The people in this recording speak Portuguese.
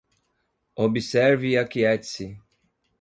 Observe e aquiete-se